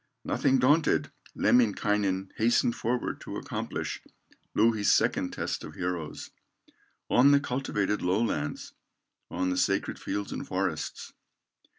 Nothing daunted, Lemminkainen Hastened forward to accomplish Louhi's second test of heroes, On the cultivated lowlands, On the sacred fields and forests.